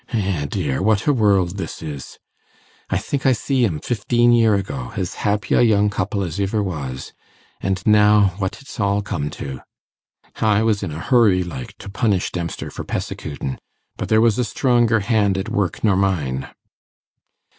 Eh, dear, what a world this is! I think I see 'em fifteen year ago as happy a young couple as iver was; and now, what it's all come to! I was in a hurry, like, to punish Dempster for pessecutin', but there was a stronger hand at work nor mine.